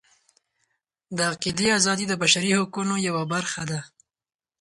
د عقیدې ازادي د بشري حقونو یوه برخه ده.